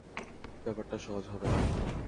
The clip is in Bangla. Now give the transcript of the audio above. ব্যাপারটা সহজ হবে না।